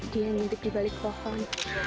dia nintip di balik pohon